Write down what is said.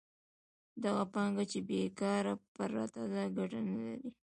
دغه پانګه چې بېکاره پرته ده ګټه نلري